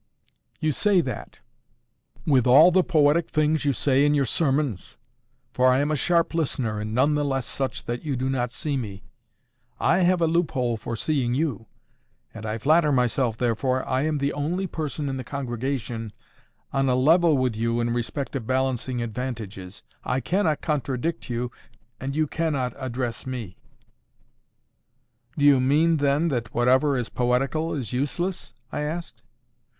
"You say that! with all the poetic things you say in your sermons! For I am a sharp listener, and none the less such that you do not see me. I have a loophole for seeing you. And I flatter myself, therefore, I am the only person in the congregation on a level with you in respect of balancing advantages. I cannot contradict you, and you cannot address me." "Do you mean, then, that whatever is poetical is useless?" I asked.